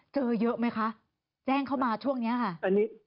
เจอเยอะไหมคะแจ้งเข้ามาช่วงนี้ค่ะ